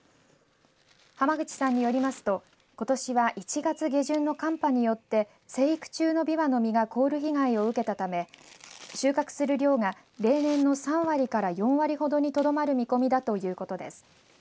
濱口さんによりますとことしは１月下旬の寒波によって生育中のびわの実が凍る被害を受けたため収穫する量が平年の３割から４割ほどにとどまる見込みだということです。